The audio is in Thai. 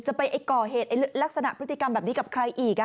ไปก่อเหตุลักษณะพฤติกรรมแบบนี้กับใครอีก